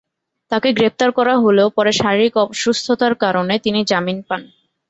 তাঁকে গ্রেপ্তার করা হলেও পরে শারীরিক অসুস্থতার কারণে তিনি জামিন পান।